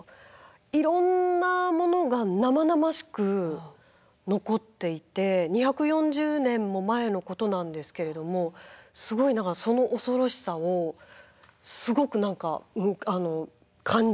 いろんなものが生々しく残っていて２４０年も前のことなんですけれどもすごい何かその恐ろしさをすごく何か感じることができましたね。